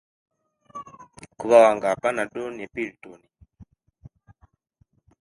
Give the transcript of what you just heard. Kubawanga panadol na piriton